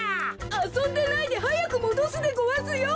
あそんでないではやくもどすでごわすよ。